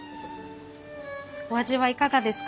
お味はいかがですか？